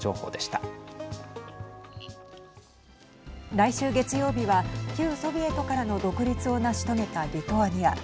来週月曜日は旧ソビエトからの独立を成し遂げたリトアニア。